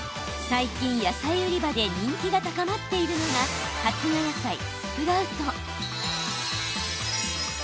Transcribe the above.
最近、野菜売り場で人気が高まっているのが発芽野菜、スプラウト。